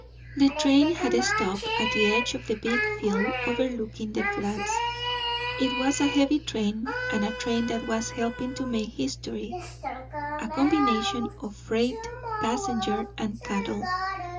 The train had stopped at the edge of the big fill overlooking the Flats. It was a heavy train, and a train that was helping to make history a combination of freight, passenger, and "cattle."